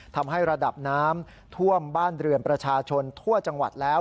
ทำให้ระดับน้ำท่วมบ้านเรือนประชาชนทั่วจังหวัดแล้ว